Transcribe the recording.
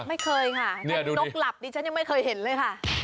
ไม่เคยค่ะถ้านกหลับดิฉันยังไม่เคยเห็นเลยค่ะ